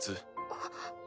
あっ。